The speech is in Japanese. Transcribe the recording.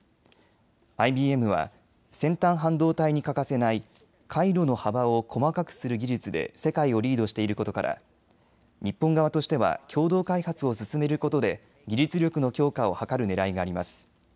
ＩＢＭは先端半導体に欠かせない回路の幅を細かくする技術で世界をリードしていることから日本側としては共同開発を進めることで技術力の強化を図るねらいがあります。